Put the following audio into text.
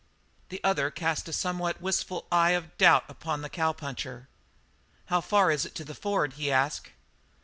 The other cast a somewhat wistful eye of doubt upon the cowpuncher. "How far is it to the ford?" he asked.